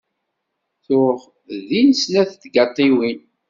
Tuɣ din snat tgaṭiwin.